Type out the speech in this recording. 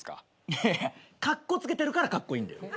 いやいやかっこつけてるからカッコイイんだよ。